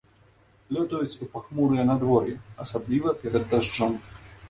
Лётаюць у пахмурае надвор'е, асабліва перад дажджом.